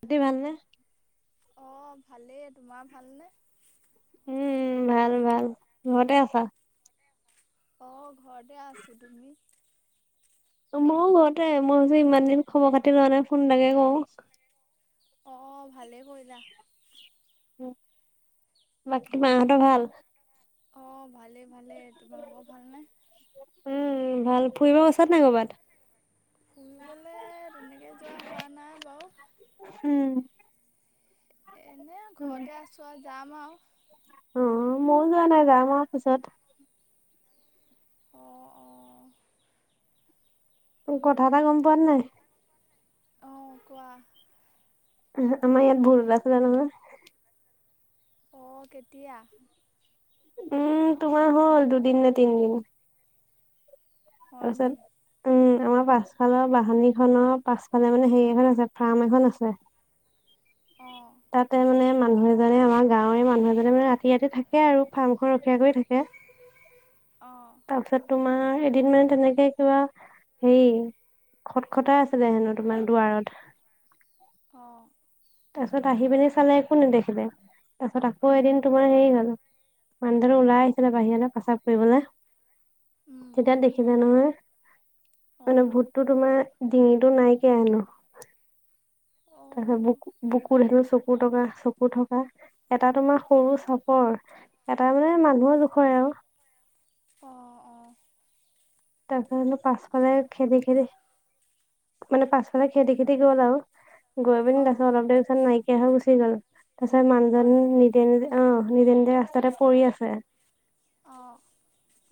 গাটো ভালনে? অ', ভালেই, তোমাৰ ভালনে? উম', ভাল ভাল, ঘৰতে আছা? অঁ ঘৰতে আছোঁ, তুমি? মইও ঘৰতে, মই ভাবিছোঁ ইমান দিন খবৰ খাতি লোৱা নাই ফোন তাকে কৰো অ', ভালেই কৰিলা বাকী, মাহঁতৰ ভাল? অ', ভালেই ভালে, তোমালোকৰ ভাল নে? উম', ভাল, ফুৰিব গৈছা নে কৰ'ৰবাত? ফুৰিবলে, তেনেকে যোৱা হোৱা নাই বাৰু উম', এনে ঘৰতে আছোঁ আৰু যাম আৰু অ', ময়ো যোৱা নাই যায় যায় পিছত অঁ অঁ কথা এটা গম পোৱাত নাই? অঁ', কোৱা আমাৰ ইয়াত ভূত ওলাইছে, জানা নে? অঁ ', -কেতিয়া? উম', তোমাৰ হ'ল দুদিন নে তিনদিন হয়নি আৰু [unintelligible] পাছফালৰ বাঁহনি খনৰ পাছফালে মানে হেৰি এখন আছে ফাৰ্ম এখন আছে অ', তাতে মানে মানুহ এজনে আমাৰ গাঁৱৰে মানুহ এজনে মানে ৰাতি ৰাতি থাকে আৰু ফাৰ্ম খন ৰখীয়া কৰি থাকে উ', অহ', তাৰপিছত তোমাৰ এদিন মানে তেনেকে কিবা হেৰি খটখটাই আছিলে হেনো তোমাৰ দুৱাৰত অ', তাৰপিছত আহি পিনি চালে একো নেদেখিলে তাৰপিছত আকৌ উম এদিন তোমাৰ হেৰি হ'ল মানুহটো ওলাই আহিছিলে বাহিৰলৈ প্ৰস্ৰাৱ কৰিবলৈ উম তেতিয়া দেখিলে নহয় মানে অঁ ভূতটো তোমাৰ ডিঙিটো নাইকিয়া আনো তাৰপিছত অঁ বুকু বুকুত হেৰি চকুৰ থকা চকু থকা এটা তোমাৰ সৰু চাপৰ এটা মানে মানুহৰ জোখৰে আৰু অ', - অ', তাৰ পাছফালে খেদি খেদি মানে পাছফালে খেদি খেদি গ'ল আৰু গৈ পিনি অ'। তাৰপিছত অলপ দেৰি পিছত নাই পেহা গুচি গ'ল তাৰ পিছত মানুহজন হয়নি? নিজে নিজে আহ নিজে নিজে ৰাস্তাতে পৰি আছে অ',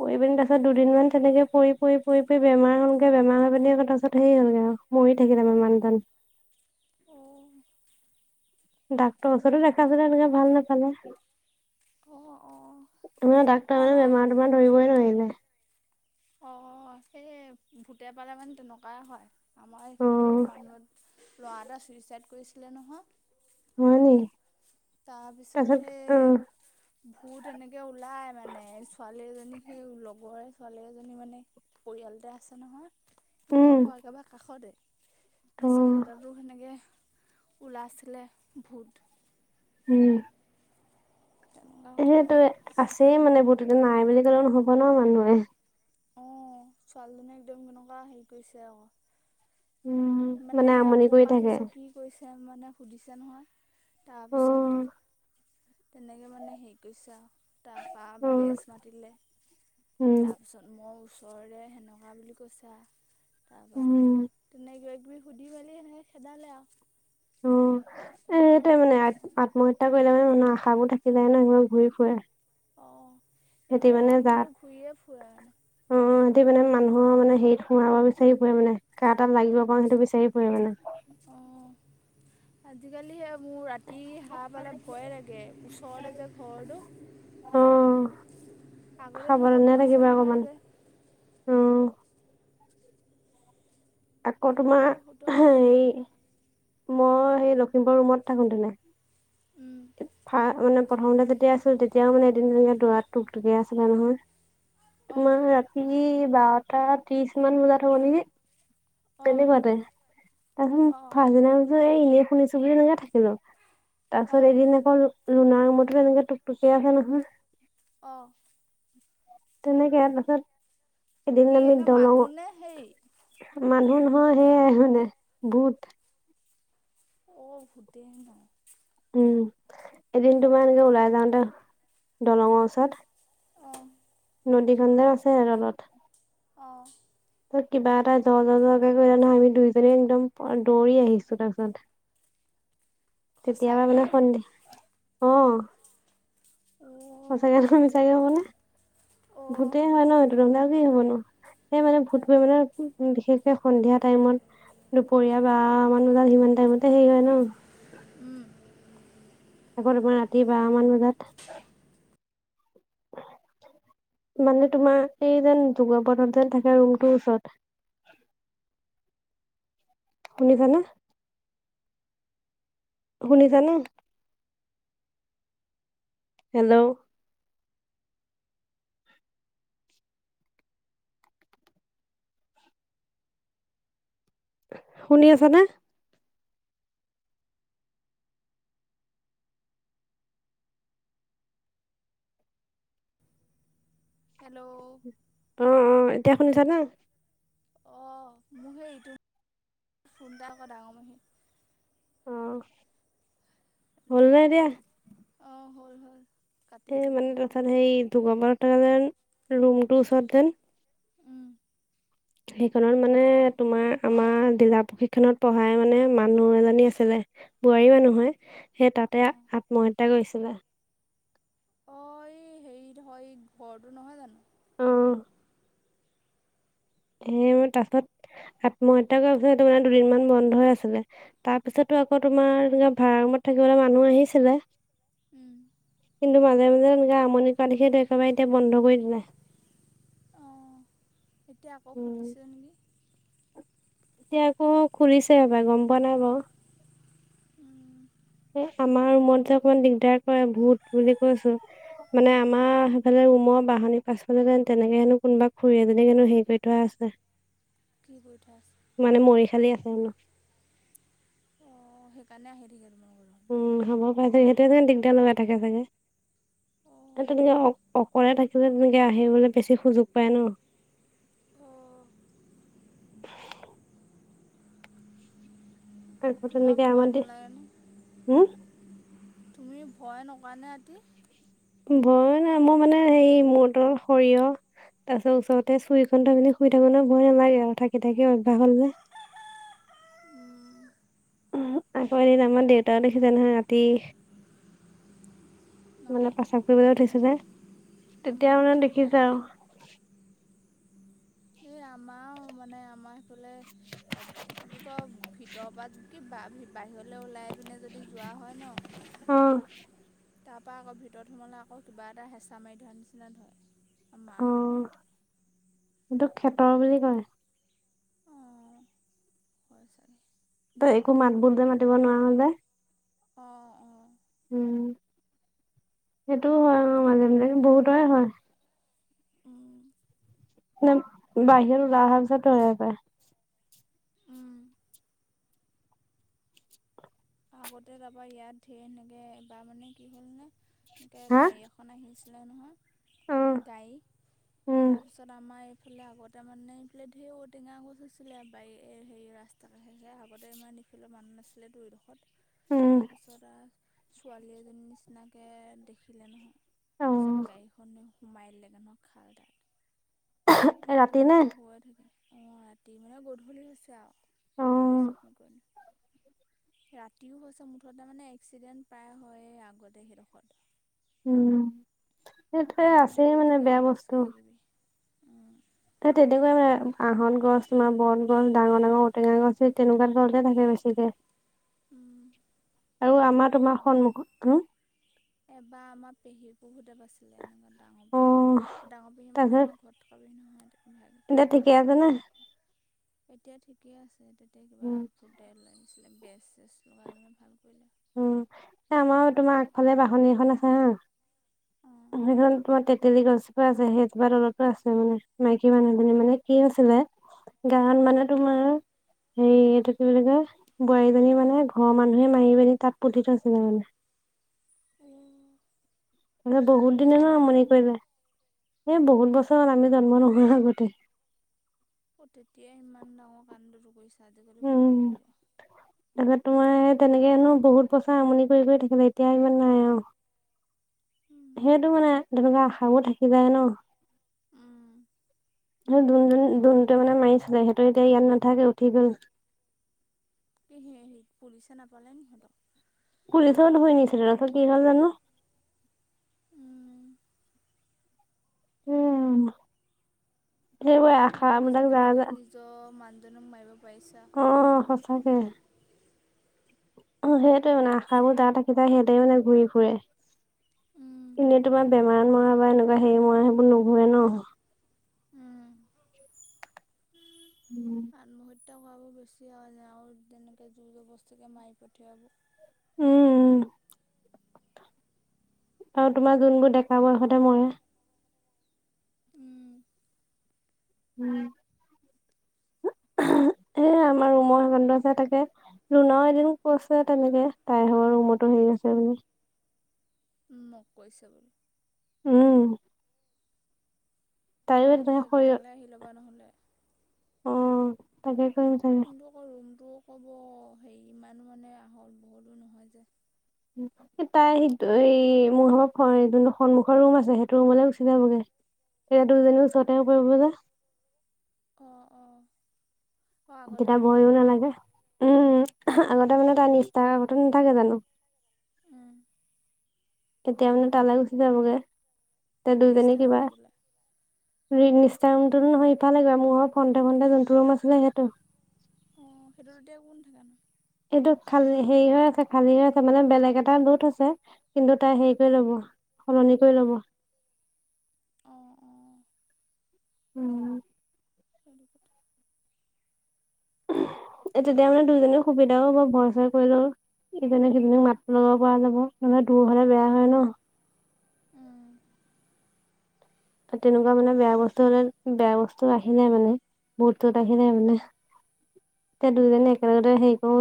পৰি পিন তাৰিছত দুদিনমান তেনেকে পৰি পৰি পৰি বেমাৰ হলগে বেমাৰ হৈ পিনে তাৰপিছত হে হলগে আৰু মৰি থাকিলে মানুহজন [inaudible] অঁ ডাক্টৰৰ ওচৰতো দেখাইছিলে এনেকে ভাল নোপালে অ', অ', আমাৰ ডাক্তৰ মানে আমাৰ বেমাৰ তোমাৰ ধৰিবই নোৱাৰিলে অ সেই ভূতে পালে মানে তেনেকুৱা হয় আমাৰ এইফালেও অ' মানুহৰ ল'ৰা এটা ছুইচাইড কৰিছিলে নহয় হয় নি। তাৰ পিছত তাৰপিছত অ' সেই ভূত এনেকে ওলাই মানে ছোৱালী এজনী সেই লগৰে ছোৱালী এজনী মানে পৰিয়ালটা আছে নহয় উম সতৰোৱা একেবাৰে কাষতে তাৰ পাছত অ' সেইততো সেনেকে উলাইছিলে ভূত উম তেনেকুৱা কথা। সেইটো আছেই মানে বহুততে নাই বুলি ক'লেও নহ'ব নহ মানুহে অ ছোৱালীজনীয়ে একদম কেনেকুৱা হেৰি কৰিছে আকৌ উম, মানে আমনি ক' কৰি পৰা থাকে। আহিছ কি কৰিছ মানে সুধিছে নহয় অ' তাৰপিছত তেনেকে মানে হেৰি কৰিছে আৰু তাৰপা বেজ অ' মাতিলে উম। তাৰপিছত মই ওচৰৰে সেনেকুৱা বুলি কৈছা তাৰপা উম তেনেকুৱা সুধি মেলি সেনেকে খেদালে আৰু অ এটাই মানে আত্মহত্যা কৰিলে মানে মানে আশাবোৰ থাকি যায় ন সেবোৰ ঘূৰি ফুৰে অ সিহঁতি এতিয়াও মানে আত্মাটো ঘূৰিয়ে ফুৰে মানে স মানে মানুহৰ মানে হেৰিত সোমাব বিচাৰি ফুৰে মানে কা তাত লাগিব পাৰো সেইটো বিচাৰি ফুৰে মানে অঁ আজিকালি সেই মোৰ ৰাতি হাঁহ পালে ভয়ে লাগে ওচৰতে যে ঘৰটো আগতে খাবলৈ তেনেকুৱা নে ভয় চয় থাকিবা অকমান নালাগে উম আকৌ তোমাৰ এইবোৰ সুতৰ হে কাহিনী মই সেই লখিমপুৰ ৰুমত থাকোতেনে উম মানে প্ৰথমতে যেতিয়া আছিল তেতিয়াও মানে এদিন ধীয়া দৰা টুক টোকীয়াই আছিলে নহয় অ তোমাৰ ৰাতি বাৰটা ত্ৰিশ মান বজাত হ'ব নেকি অ তেনেকুৱাতে অ তাৰপিছত ফাজনা এই এনেই শুনিছো বুলি এনেক থাকিলো তাৰ অ পিছত এদিন আকৌ লুনাৰ ৰোমতে এনেকে টুকটুকি আছে নহয় অ' তেনেকে আছে ত কি এনে মানুহ নে হেই? মানুহ নহয় সেইয়াই হয়নে ভূত। অ ভূতে ন। উম এদিন তোমাৰ এনেকে ওলাই যাওঁতে দলঙৰ ওচৰত অ নদী খনতে আছে আৰু তলত অ। কিবা এটা জৰ জৰ জকে কৰিলে নহয় আমি দুইজনী একদম দৌৰি আহিছো তাৰপিছত [unintelligible] সঁচাকে কেতিয়াবা মানে নেকি সন্ধিয়া অহ। [inaudible] সঁচাকে মিছাকে হ'ব নে অ ভূতেই হয় ন সেটো নহলে আৰু কি হ'ব নো? সেই মানে ভূত ধৰিবলে বিশেষকে সন্ধিয়া টাইমত। দুপৰীয়া বাৰ মান বজাৰ সিমান টাইমতে হেৰি হয় ন? উম। আকৌ তোমাৰ ৰাতি বাৰ মান বজাত [inaudible] মানে তোমাৰ এই যেন ধুবৰপথত যেন থাকে ৰুমটোৰ ওচৰত। [inaudible] শুনিছা নে? শুনিছা নে? হেল্ল'! শুনি আছা নে? হেল্ল'! অ অ এতিয়া শুনিছা নে? অ মোক সেই ইটো ফোন এটা আকৌ ডাঙৰ মহী অ হল নে এতিয়া? অ হল হল। কাটি এ দিলোঁ মানে তাৰপিছত সেই দুগৰবাৰত যেন ৰুমটো ওচৰত যেন সেইখনত মানে তোমাৰ আমাৰ জিলা প্ৰশিক্ষনত পঢ়াই মানে মানুহ এজনী আছিলে। বোৱাৰী মানুহ হয়, সেই তাতে অঁ আত্মহত্যা কৰিছিলে। অ এই হেৰিত হয় ঘৰটো নহয় জানো? অহ। সেই তাৰ পিছত আত্মহত্যা কৰাৰ পিছত সেইটো মানে দুদিনমান বন্ধই আছিলে, তাৰপিছত টো আকৌ তোমাৰ এনে ভাড়া ৰুমত থাকিবলৈ মানুহ আহিছিলে উম। কিন্তু মাজে মাজে এনেকে আমনি কৰা দেখি সেইটো একেবাৰে এতিয়া বন্ধ কৰি দিলে। অঁ এতিয়া আকৌ উম। খুলিছে নেকি? এতিয়া আকৌ খুলিছে হপাই গম পোৱা নাই বাৰু। উম। আমাৰ ৰুমত যে অকমান দিগদাৰ কৰে ভুত বুলি কৈছো মানে আমাৰ সেইফালে ৰুমৰ বাহনিৰ পাছফালে যেন তেনেকে হেনো কোনোবা খুুৰী এজনীক হেনো হেৰি কৰি থোৱা আছে। কি কৰি থোৱা আছে মানে মৰিশালি আছে হেনো। অঁ সেইকাৰণে আহি থাকে তোমালোকৰ উম হ'ব পাৰে দেই সেইটোৱে যেন দিগদাৰ লগাই থাকে চাগে। অঁ তেনেকে অ অকলে থাকিলে তেনেকে আহিবলৈ বেছি সুযোগ পায় ন। [inaudible] অঁ তাৰপিছত তোমাৰ তেনেকে ভয় আমা দি নালাগে ন হম। তুমি ভয় নকৰা নে ৰাতি? উম ভয় মানে মই মানে হেৰি মতৰ সৰিয়হ তাৰ পিছত ওচৰতে চুৰিখন থৈ মেলি শুই থাকো ভয় নালাগে আৰু থাকি থাকি অভ্যাস হল যে। [inaudible] আকৌ এদিন আমাৰ দেউতাও দেখিছে নহয় ৰাতি। মানে অঁ প্ৰস্ৰাৱ কৰিবলৈ উঠিছে যে। তেতিয়া মানে দেখিছে আৰু। এই আমাৰ [inaudible] মানে আমাৰ সেইফালে কি বুলি কয় ভিতৰ পৰা কি বাহি ৰলে ওলাই পিনে যদি যোৱা হয় ন অ তাৰপৰা আকৌ ভিতৰত সোমালে আকৌ কিবা এটা হেঁচা মাৰি ধৰা নিচিনা ধৰে। আমা‌ মাঁহতৰ সেইটোক খেতৰ বুলি কয়। অ হয় চাগে। তই একো মাত বোল যে মাতিব নোৱাৰ যে। অ অ উম সেইটোও হয় সেই আৰু মাজে মাজে বহুতৰে হয় [unintelligible] ন বাহিৰৰ উদাহাৰ চা পায় আগতে তাৰপা ইয়াত ধেৰ এনেকে বা মানে কি হ'লনে এনেকৈ গাড়ী এখন আহিছিলে নহয় হা অ গাড়ী তাৰপিছত আমাৰ ইফালে আগতে মানে ইফালে ঢেৰ ঔটেঙা গছ হৈছিলে ব হেৰি ৰাস্তা কাষে আগতে ইমান দেখিলে মানু নাছিলে উম তাৰপিছত ছোৱালী এজনীৰ নিচিনাকে দেখিলে নহয় উম তাৰপিছত গাড়ীখনে সোমাই লেগে নহয় খালডাল ৰাতি নে অ ৰাতি মানে গধূলি হৈছে আৰু অ গধূলি চিকমিক ৰাতিও হৈছে মুঠতে মানে এক্সিডেণ্ট প্ৰায় হয় আগতে সেইডোখৰত উম সেইটোৱে ন আছে গোটেই মানে ঔটেঙা বেয়া গছ বস্তু কিবা কিবি এ তেনেকোৱা আহত গছ তোমাৰ বত গছ ডাঙৰ ডাঙৰ ঔটেঙা গছ সেই তেনেকোৱা তলতে থাকে ছিলে [unintelligible] আৰু আমাৰ তোমাৰ সন্মুখত এবাৰ আমাৰ পেহী বৌহেত ঘৰত আছিলে এনেকোৱা ডাঙৰ অ পেহী ডাঙৰ পেহী মানে তাৰপিছত আমাৰ ঘৰত থকাহি নহয় ভাগ এতিয়া ঠিকে আছে নে এতিয়া ঠিকে আছে তেতিয়া কিবা উম ফুটেলছিলে বেচ চেচ লগাই ভাল কৰিলে উম এ আমাৰো তোমাৰ আগফালে বাহনি এখন আছে হা অঁ সেইখন তোমাৰ তেতেলী গছজোপা আছে সেইজোপাৰ তলতো আছে মানে মাইকী মানুহ এজনী মানে কি আছিলে গাঁৱত মানে তোমাৰ হে এইটো কি বুলি কয় বোৱাৰীজনী মানে ঘৰৰ মানুহে মাৰি পিনি তাত পুতি থৈছিলে মানে [unintelligible] তালে বহুত বহু দিনে ন কিমান দিন আমনি হ'ল কৰিলে এই বহুত বছৰ আমি জন্ম নোহোৱা আগতে অ তেতিয়াই ইমান ডাঙৰ কাণ্ডটো কৰিছে আজিকালি কোন উম নহ'ব তাৰপিছত তোমাৰ তেনেকেনো বহুত বছৰ আমনি কৰি কৰি থাকিলে এতিয়া ইমান নাই আও উম, সেইটো মানে তেনেকোৱা আশাও থাকি যায় ন উম যোন যোনটোৱে মানে মাৰিছিলে সেইটো এতিয়া ইয়াত নাথাকে উঠি গল তি সেই পুলিচে নাপালে নি হঁতক পুলিচেও ধৰি নিছিলে তাছত কি হল জানো উম। উম সেইবোৰে সিও যে আশাবিলাক যা কেনেকে নিজৰ মানুহজনীক মাৰিব পাৰিছে অহ সঁচাকে অ সেইটোৱে মানে আশাবোৰ যা থাকি যায় সিহঁতেও মানে ঘূৰি ফুৰে এনেই তোমাৰ বেমাৰত মৰা বা এনেকোৱা হেৰি মৰা সেইবোৰ নুঘূৰে ন উমহ খোৱা বেছি হয়' আৰু যেনেকে জু জ বস্তুকে মাৰি পঠিয়াব উম উম আৰু তোমাৰ যোনবোৰ ডেকা বয়সতে মৰে উম এমহ এ আমাৰ ৰুমৰ সেখন দৰ্জা থাকে বন্ধ যে তাকে ৰুনাও এদিন কৈছে তেনেকে তাই ভাগ ৰুমতো হেৰি চাব ন উ মোক কৈছে বুলি উম তাইও তোমালোকে তেনেকে সৰিয়হ একেটালে আহি ল'বা নহলে অ তাকে কৰিম থাকে তটো ক'ব হেৰি ইমানো মানে আহল বহলো নহয় যে তাই সেইটো এই মোৰ যোনটো সন্মুখৰ ৰুম আছে সেইটো ৰুমলৈ গুচি যাবগে এতিয়া দুজনিয়ো ওচৰতে কৰিব যে অঁ অঁ অঁ আগতে তেতিয়া অকণমান ভয়ো দূৰ নালাগে উম আগতে মানে তাৰ মিষ্টাৰ ঘটো নাথাকে জানো তেতিয়া মানে তালৈ গুচি যাবগে তে দুইজনী মিষ্টাৰ কিবা মিদুলা নিষ্ঠা ৰুমটোতো নহয় ইফালে গ মোৰৰ ফণ্টে ফটে যোনটো ৰুম আছিলে সিহঁটো অঁ সেইটোত এতিয়া কোন থাকে নো এইটো খালী হেৰি হৈ আছে খালী হৈ আছে মানে বেলেগ এটা লোড আছে কিন্তু তাই হেৰি কৰি লব সলনি কৰি লব অঁ অঁ উম সেইটো কথা তেতিয়া মানে দুইজনে সুবিধাও হব ভয় ছয় কৰিলেও চ কৰি লও এজনি সেইজনীক মাত লগাব পৰা যাব নহলে দূৰ হলে বেয়া হয় ন উম তেনেকুৱা মানে বেয়া বস্তু হলে বেয়া বস্তু আহি নাই মানে বহুতত আহি যায় মানে উম এতিয়া উম দুইজননে একেলগতে হেৰি কৰো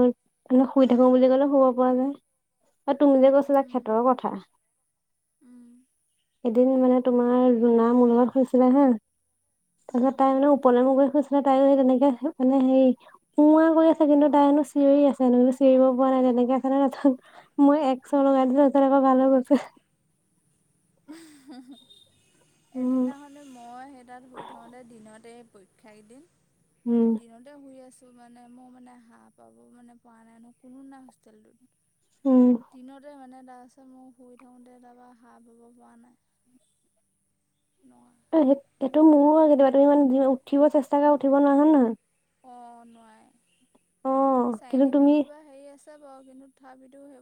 মে শুই থাকো বুলি ক'লেও শুব পৰা যায় অ তুমি যে কৈছিলা উম খ্ষেতৰ কথা উম এদিন মানে তোমাৰ জুনা মোৰ লগত শুইছিলে হা তাৰপিছত তাই মানে উপলে মোৰ কৰি শুইছিলে তাইও সেই তেনেকে মানে হেৰি উওৱা কৰি আছে কিন্তু তাইনো চিঞৰি আছে চিঞৰিব পৰা নাই তেনেকে আছে ন মই এক চৰ লগাই আকৌ ভাল হৈ গৈছে উম। এদিনা হ'লে মই সেই তাত শুই থাকওঁতে দিনতে পৰীক্ষা কেইদিন উম দিনতে শুই আছিলোঁ ত' মানে মোৰ মানে হাঁহ পাব মানে পোৱা নাই ন কোনো নাই হোষ্টেলটোত উম দিনতে মানে তাৰ আ মই শুই থাকোতে তাৰপা হাঁ পাব পৰা নাই নোৱাৰা সেইটো মোৰো কেতিয়াবা তুমি মানে উঠিব চেষ্টা কৰো উঠিব নোৱাৰো হয় নাই অ নোৱাই কিন্তু চাইন্টিফিক তুমি কিবা হেৰি আছে বাৰু কিন্তু তথাপিটো সেইব